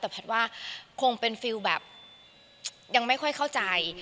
แต่แพทย์ว่าคงเป็นฟิลแบบยังไม่ค่อยเข้าใจ